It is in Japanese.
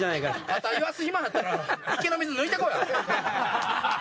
肩いわす暇あったら池の水抜いてこい。